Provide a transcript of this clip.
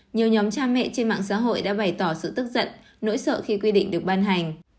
nhiều nhóm cha mẹ trên mạng xã hội đã bày tỏ sự tức giận nỗi sợ khi quy định được ban hành